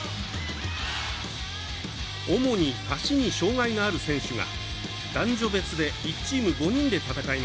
主に足に障がいのある選手が男女別で１チーム５人で戦います。